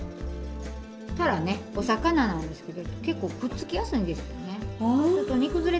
たらねお魚なんですけど結構くっつきやすいんですよね。